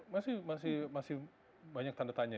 masih banyak tanda tanya